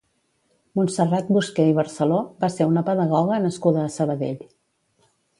Montserrat Busqué i Barceló va ser una pedagoga nascuda a Sabadell.